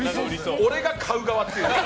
俺が買う側っていう。